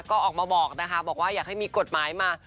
ก็ออกมาบอกนะคะบอกว่าอยากให้มีกฎหมายมา